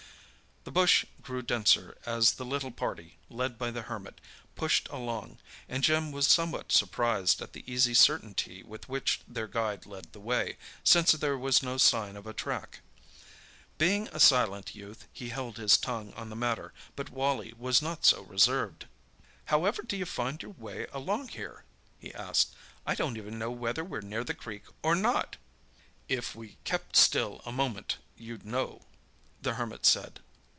The bush grew denser as the little party, led by the Hermit, pushed along, and Jim was somewhat surprised at the easy certainty with which their guide led the way, since there was no sign of a track. Being a silent youth, he held his tongue on the matter; but Wally was not so reserved. "However d'you find your way along here?" he asked. "I don't even know whether we're near the creek or not." "If we kept still a moment you'd know," the Hermit said.